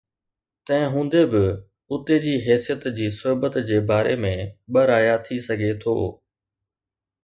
تنهن هوندي به، اتي جي حيثيت جي صحبت جي باري ۾ ٻه رايا ٿي سگهي ٿو.